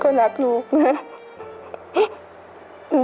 พี่คนรักลูกนะ